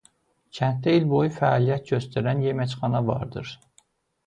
Kənddə il boyu fəaliyyət göstərən yeməkxana vardır.